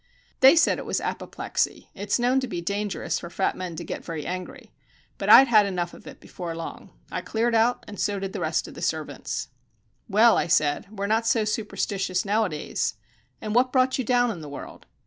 "They said it was apoplexy. It's known to be dangerous for fat men to get very angry. But I'd had enough of it before long. I cleared out, and so did the rest of the servants." "Well," I said, "we're not so superstitious nowadays. And what brought you down in the world?"